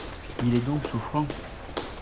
Il est donc souffrant ?